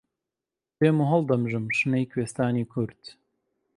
دێم و هەڵدەمژم شنەی کوێستانی کورد